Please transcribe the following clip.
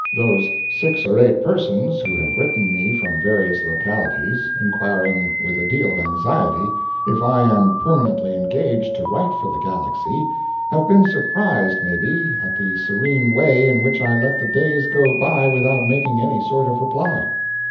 Those six or eight persons who have written me from various localities, inquiring with a deal of anxiety if I am permanently engaged to write for THE GALAXY, have been surprised, maybe, at the serene way in which I let the days go by without making any sort of reply.